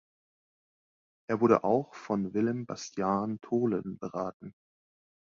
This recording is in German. Er wurde auch von Willem Bastiaan Tholen beraten.